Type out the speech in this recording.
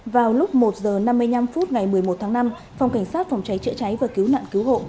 vào lúc một h năm mươi năm phút ngày một mươi một tháng năm phòng cảnh sát phòng cháy chữa cháy và cứu nạn cứu hộ